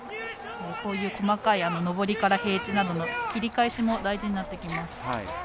細かい上りから平地などの切り返しも大事になってきます。